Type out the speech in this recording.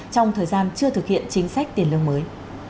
trong thời gian chưa thực hiện chính sách tiền lương mới